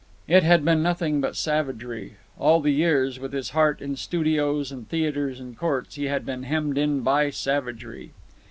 It had been nothing but savagery. All the years, with his heart in studios, and theatres, and courts, he had been hemmed in by savagery.